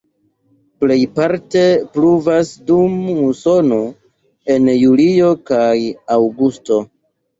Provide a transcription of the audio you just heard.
Plejparte pluvas dum musono en julio kaj aŭgusto.